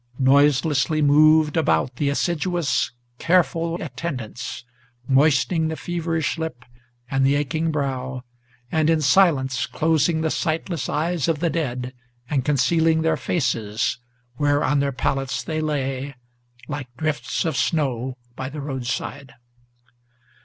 Noiselessly moved about the assiduous, careful attendants, Moistening the feverish lip, and the aching brow, and in silence Closing the sightless eyes of the dead, and concealing their faces, Where on their pallets they lay, like drifts of snow by the roadside.